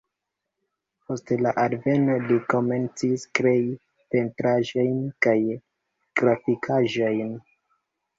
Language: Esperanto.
Post la alveno li komencis krei pentraĵojn kaj grafikaĵojn.